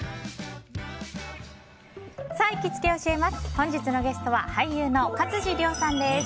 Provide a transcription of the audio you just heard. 本日のゲストは俳優の勝地涼さんです。